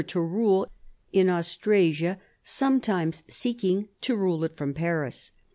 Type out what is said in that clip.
to rule in Austrasia, sometimes seeking to rule it from Paris.